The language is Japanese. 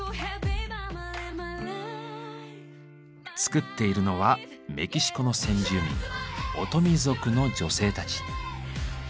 作っているのはメキシコの先住民オトミ族の女性たち。